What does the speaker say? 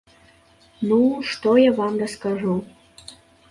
Ну, што я вам раскажу?